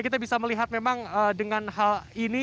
kita bisa melihat memang dengan hal ini